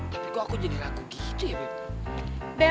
tapi kok aku jadi laku gitu ya beb